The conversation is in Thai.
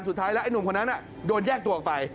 สุดท้ายแล้วไอ้หนุ่มคนนั้นโดนแยกตัวออกไป